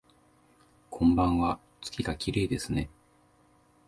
こんばんわ、月がきれいですね